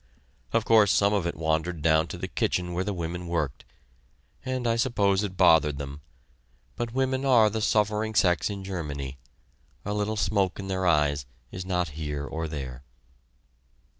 Of course some of it wandered down to the kitchen where the women worked, and I suppose it bothered them, but women are the suffering sex in Germany; a little smoke in their eyes is not here or there.